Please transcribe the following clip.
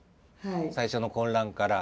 最初の混乱から。